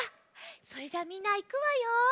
それじゃあみんないくわよ。